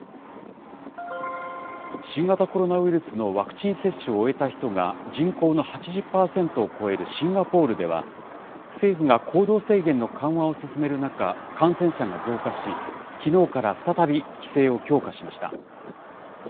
新型コロナウイルスのワクチン接種を終えた人が人口の８０％を超えるシンガポールでは、政府が行動制限の緩和を進める中、感染者が増加し、きのうから再び規制を強化しました。